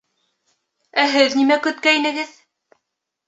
Ә һеҙ нимә көткәйнегеҙ?